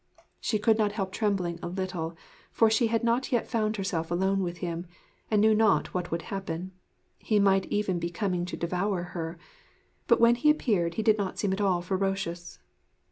She could not help trembling a little; for she had not yet found herself alone with him, and knew not what would happen he might even be coming to devour her. But when he appeared he did not seem at all ferocious.